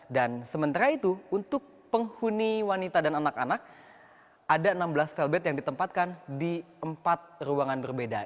dan sementara itu untuk penghuni wanita dan anak anak ada enam belas felbet yang ditempatkan di empat ruangan berbeda